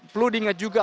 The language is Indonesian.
perlu diingat juga